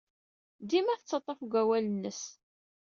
Dima tettaḍḍaf deg wawal-nnes.